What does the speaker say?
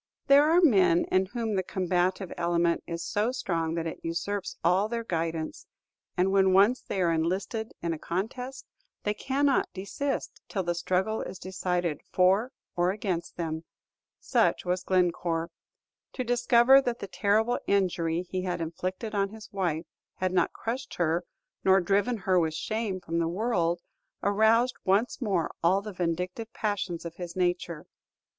There are men in whom the combative element is so strong that it usurps all their guidance, and when once they are enlisted in a contest, they cannot desist till the struggle be decided for or against them. Such was Glencore. To discover that the terrible injury he had inflicted on his wife had not crushed her nor driven her with shame from the world, aroused once more all the vindictive passions of his nature.